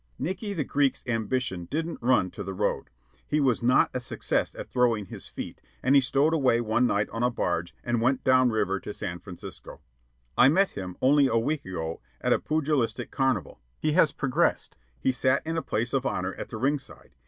Nickey the Greek's ambition didn't run to The Road. He was not a success at throwing his feet, and he stowed away one night on a barge and went down river to San Francisco. I met him, only a week ago, at a pugilistic carnival. He has progressed. He sat in a place of honor at the ring side.